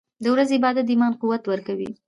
• د ورځې عبادت د ایمان قوت ورکوي.